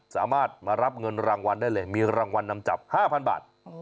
สามารถมารับเงินรางวัลได้เลยมีรางวัลนำจับ๕๐๐บาท